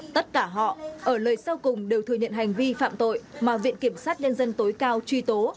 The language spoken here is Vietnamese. tất cả họ ở lời sau cùng đều thừa nhận hành vi phạm tội mà viện kiểm sát nhân dân tối cao truy tố